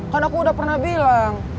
kan aku udah pernah bilang